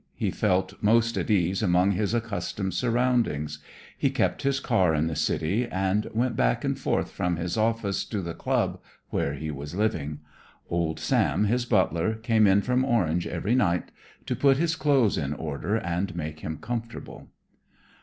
He felt most at ease among his accustomed surroundings. He kept his car in the city and went back and forth from his office to the club where he was living. Old Sam, his butler, came in from Orange every night to put his clothes in order and make him comfortable.